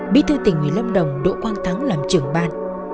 bí thư tỉnh ủy lâm đồng đỗ quang thắng làm trưởng ban